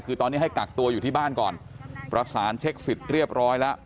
คือตอนนี้ให้กักตัวอยู่ที่บ้านก่อนประสานเช็คสิทธิ์เรียบร้อยแล้ว